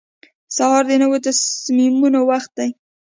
سهار د نوي تصمیمونو وخت دی.